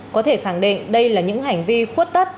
có thể khẳng định đây là những hành vi khuất tất